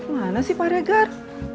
mana sih pak regar